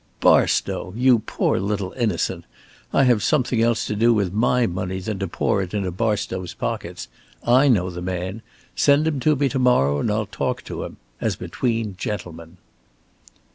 "Barstow! You poor little innocent. I have something else to do with my money than to pour it into Barstow's pockets. I know the man. Send him to me to morrow, and I'll talk to him as between gentlemen."